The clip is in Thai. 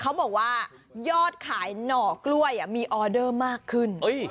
เขาบอกว่ายอดขายหน่อกล้วยมีออเดอร์มากขึ้น